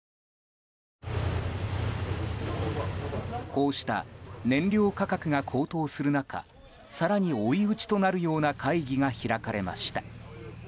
こうした燃料価格が高騰する中更に追い打ちとなるような会議が開かれました。